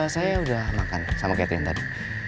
saya udah makan sama catherine tadi